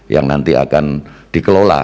yang nanti akan dikelola